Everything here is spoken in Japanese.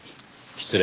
失礼。